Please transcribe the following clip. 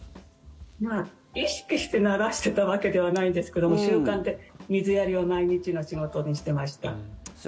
意識して慣らしていたわけではないんですけども習慣で水やりは毎日の仕事にしてました。